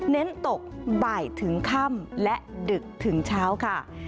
เน้นตกบ่ายถึงค่ำและดึกถึงเช้าค่ะ